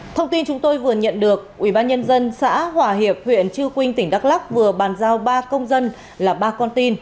thông tin chúng tôi vừa nhận được ubnd xã hòa hiệp huyện chư quynh tỉnh đắk lắc vừa bàn giao ba công dân là ba con tin